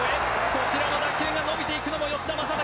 こちらの打球が伸びていくのも吉田正尚。